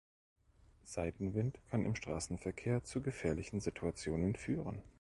Seitenwind kann in Straßenverkehr zu gefährlichen Situationen führen.